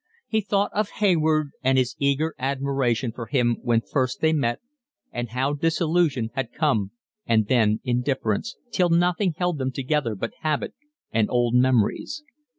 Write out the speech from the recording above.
He thought of Hayward and his eager admiration for him when first they met, and how disillusion had come and then indifference, till nothing held them together but habit and old memories.